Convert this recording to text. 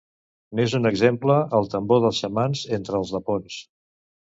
N'és un exemple el tambor dels xamans entre els lapons.